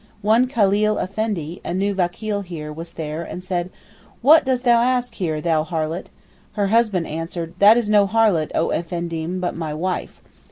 One Khaleel Effendi, a new vakeel here, was there, and said, 'What dost thou ask here thou harlot?' Her husband answered, 'That is no harlot, oh Effendim, but my wife.